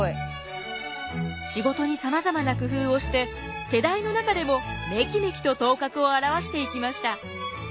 仕事にさまざまな工夫をして手代の中でもメキメキと頭角を現していきました。